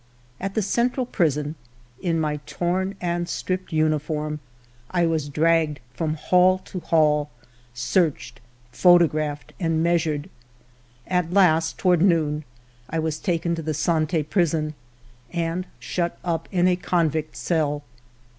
At the Central Prison, in my torn and stripped uniform, I was dragged from hall to hall, searched, photographed, and measured. At last, toward noon, I was taken to the Sante Prison and shut up in a convict's cell.